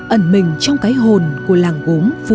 ẩn mình trong cái hồn của làng